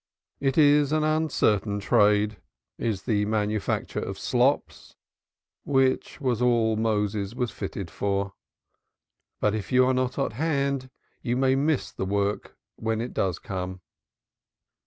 It is an uncertain trade, is the manufacture of slops, which was all Moses was fitted for, but if you are not at hand you may miss the "work" when it does come.